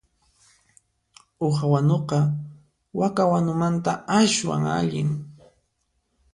Uha wanuqa waka wanumanta aswan allin.